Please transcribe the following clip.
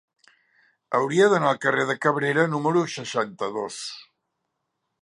Hauria d'anar al carrer de Cabrera número seixanta-dos.